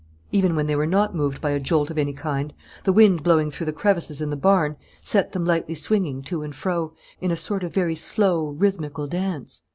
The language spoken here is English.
Even when they were not moved by a jolt of any kind, the wind blowing through the crevices in the barn set them lightly swinging to and fro, in a sort of very slow, rhythmical dance.